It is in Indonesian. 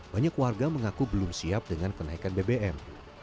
banyak warga mengaku belum siap dengan kenaikan bbm